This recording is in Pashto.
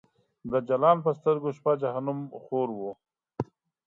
د جلان په سترګو شپه جهنم خور و